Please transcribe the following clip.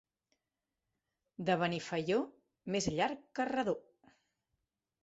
De Benifaió, més llarg que redó.